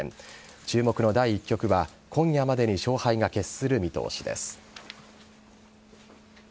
注目の第１局は、今夜までに勝敗が決する見通しです。